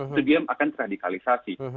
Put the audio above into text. itu dia akan terradikalisasi